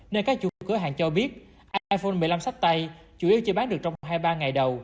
nên các chủ cửa hàng cho biết iphone một mươi năm sắp tay chủ yếu chỉ bán được trong hai mươi ba ngày đầu